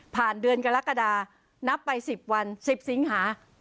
เดือนกรกฎานับไป๑๐วัน๑๐สิงหา